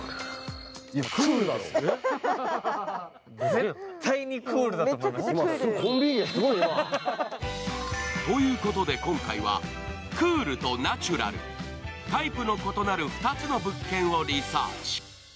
絶対にクールだと思うよ。ということで今回は、クールとナチュラル、タイプの異なる２つの物件をリサーチ。